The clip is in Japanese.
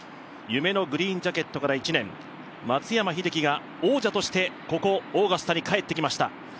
夢のグリーンジャケットから１年松山英樹が王者としてここオーガスタに帰ってきました。